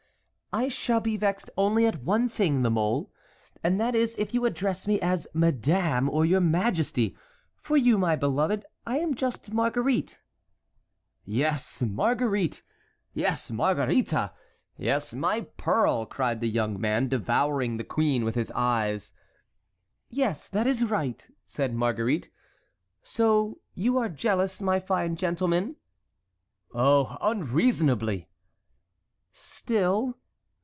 "I shall be vexed only at one thing, La Mole, and that is if you address me as 'madame' or 'your majesty.' For you, my beloved, I am just Marguerite." "Yes, Marguerite! Yes, Margarita! Yes, my pearl!" cried the young man, devouring the queen with his eyes. "Yes, that is right," said Marguerite. "So you are jealous, my fine gentleman?" "Oh! unreasonably." "Still?"